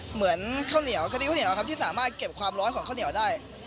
เหมือนกระติบข้าวเหนียวที่สามารถเก็บความร้อยของข้าวเหนียวได้